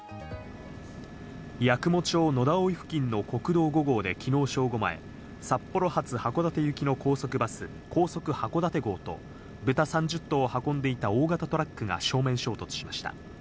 八雲町野田生付近の国道５号できのう正午前、札幌発函館行きの高速バス「高速はこだて号」と豚３０頭を運んでいた大型トラックが正面衝突しました。